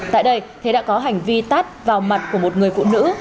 tại đây thế đã có hành vi tát vào mặt của một người phụ nữ